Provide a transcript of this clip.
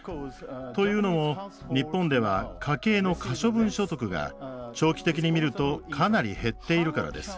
というのも日本では、家計の可処分所得が長期的に見るとかなり減っているからです。